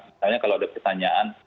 misalnya kalau ada pertanyaan